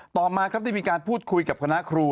ต่อมาครับได้มีการพูดคุยกับคณะครู